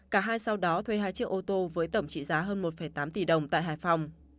cả hai sau đó thuê hai chiếc ô tô với tổng trị giá hơn một tám tỷ đồng tại hải phòng